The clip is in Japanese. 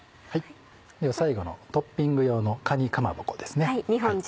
最後のトッピング用のかにかまぼこですね。